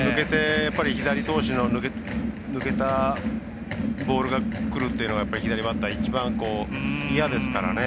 左投手の抜けたボールがくるっていうのはやっぱり左バッター一番嫌ですからね。